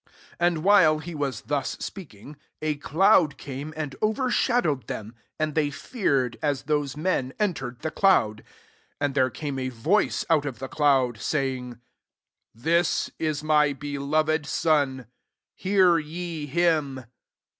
34 And while he w^s thus speaking, a cloud came and overshadowed them : and they feared, as those men entered the cloud. 35 And there came a voice out of the cloud, saying, '* This is my beloved Son : hear ye him."